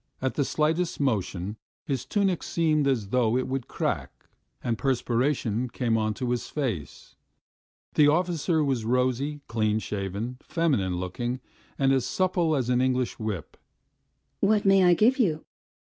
At the slightest motion his tunic seemed as though it would crack, and perspiration came on to his face. The officer was rosy, clean shaven, feminine looking, and as supple as an English whip. "What may I give you?"